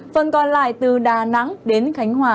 phần còn lại từ đà nẵng đến khánh hòa